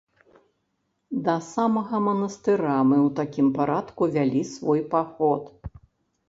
Да самага манастыра мы ў такім парадку вялі свой паход.